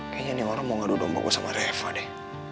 kayaknya ini orang mau ngadu dombok gue sama reva deh